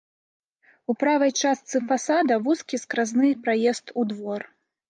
У правай частцы фасада вузкі скразны праезд у двор.